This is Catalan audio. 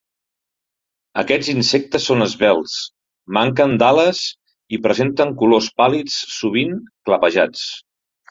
Aquests insectes són esvelts, manquen d'ales, i presenten colors pàl·lids, sovint clapejats.